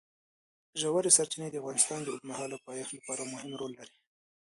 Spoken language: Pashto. ژورې سرچینې د افغانستان د اوږدمهاله پایښت لپاره مهم رول لري.